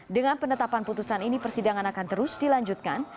dengan penetapan putusan ini persidangan akan terus dilanjutkan